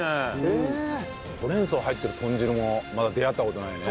ほうれん草入ってる豚汁もまだ出会った事ないね。